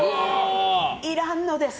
いらんのです！